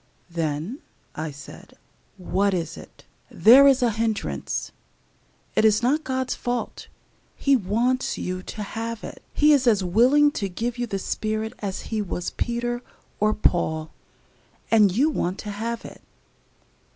"Then," I said, "what is it? There is a hindrance. It is not God's fault. He wants you to have it He is as willing to give you the Spirit as He was Peter or Paul, and you want to have it.